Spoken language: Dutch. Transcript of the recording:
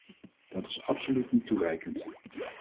Dat is absoluut niet toereikend.